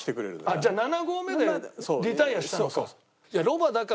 じゃあ７合目でリタイアしたのか。